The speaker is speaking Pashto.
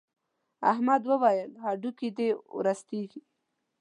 احمد وويل: هډوکي دې ورستېږي.